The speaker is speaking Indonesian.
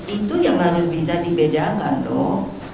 itu yang harus bisa dibedakan dong